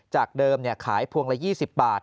จากเดิมขายพวงละ๒๐บาท